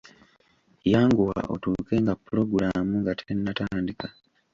Yanguwa otuuke nga pulogulaamu nga tennatandika.